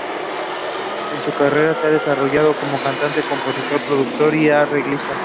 En su carrera se ha desarrollado como cantante, compositor, productor y arreglista.